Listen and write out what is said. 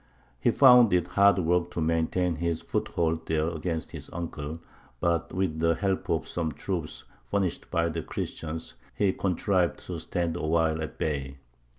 He found it hard work to maintain his foothold there against his uncle; but with the help of some troops furnished by the Christians he contrived to stand awhile at bay.